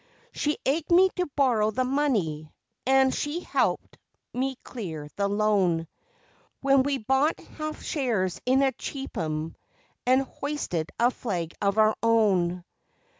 She egged me to borrow the money, an' she helped me clear the loan, When we bought half shares in a cheap 'un and hoisted a flag of our own.